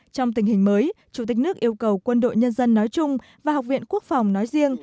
trong tình hình mới chủ tịch nước yêu cầu quân đội nhân dân nói chung và học viện quốc phòng nói riêng